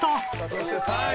そして３位。